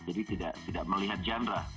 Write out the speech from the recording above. jadi tidak melihat genre